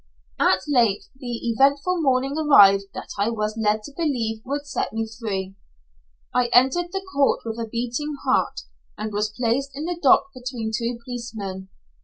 At length the eventful morning arrived that I was led to believe would set me free. I entered the court with a beating heart, and was placed in the dock between two policemen.